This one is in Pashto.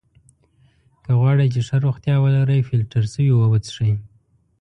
که غواړی چې ښه روغتیا ولری ! فلټر سوي اوبه څښئ!